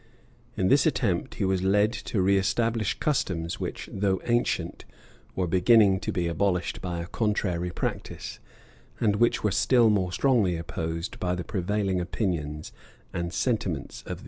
In this attempt he was led to reestablish customs which, though ancient, were beginning to be abolished by a contrary practice, and which were still more strongly opposed by the prevailing opinions and sentiments of the age.